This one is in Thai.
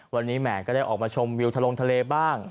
วันนี้แหมก็ได้ออกมาชมวิวทะลงทะเลบ้าง